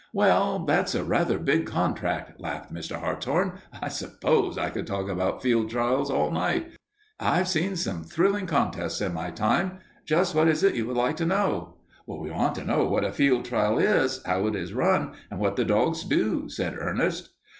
"Well, that's a rather big contract," laughed Mr. Hartshorn. "I suppose I could talk about field trials all night. I've seen some thrilling contests in my time. Just what is it you would like to know?" "We want to know what a field trial is, how it is run, and what the dogs do," said Ernest.